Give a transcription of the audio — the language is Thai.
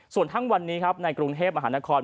ส่วนทั้งวันนี้ครับในกรุงเทพมหานคร